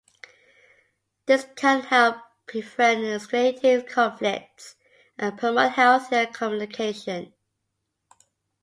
This can help prevent escalating conflicts and promote healthier communication.